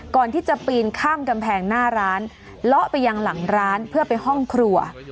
ก่อนที่จะปีนข้ามกำแพงหน้าร้านเลาะไปยังหลังร้านเพื่อไปห้องครัว